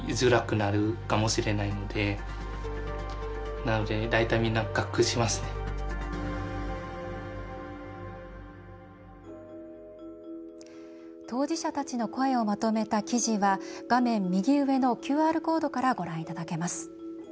なぜ、医療を頼らなかったのか当事者たちの声をまとめた記事は画面右上のＱＲコードからご覧いただけます。